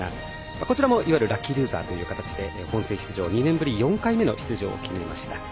こちらもいわゆるラッキールーザーという形で本戦出場２年ぶり４回目となりました。